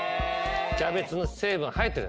キャベツの成分入ってる。